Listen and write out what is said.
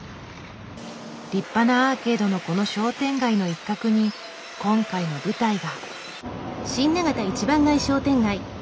立派なアーケードのこの商店街の一角に今回の舞台が。